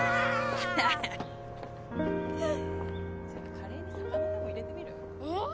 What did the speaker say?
カレーに魚でも入れてみる？え！？